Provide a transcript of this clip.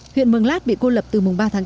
huyện mương lát bị cô lập từ mùng ba tháng tám